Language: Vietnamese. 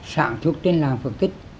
sản xuất trên làng phật tịch